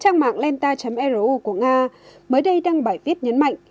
trang mạng lenta ru của nga mới đây đăng bài viết nhấn mạnh